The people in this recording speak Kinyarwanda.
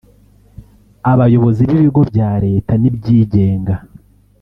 abayobozi b’ibigo bya Leta n’ibyigenga